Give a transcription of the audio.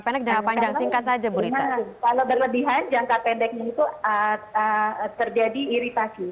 pendek jangka panjang singkat saja bu rita kalau berlebihan jangka pendek itu terjadi iritasi